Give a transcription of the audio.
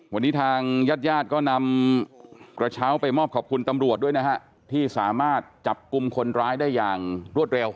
วันนี้ทางญาติญาติก็นำกระเช้าไปมอบขอบคุณตำรวจด้วยนะฮะที่สามารถจับกลุ่มคนร้ายได้อย่างรวดเร็ว